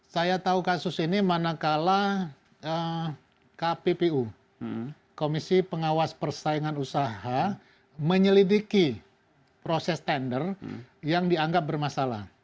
saya tahu kasus ini manakala kppu komisi pengawas persaingan usaha menyelidiki proses tender yang dianggap bermasalah